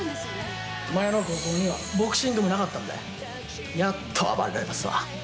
前の高校にはボクシング部なかったんでやっと暴れられますわ。